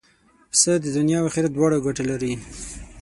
پسه د دنیا او آخرت دواړو ګټه لري.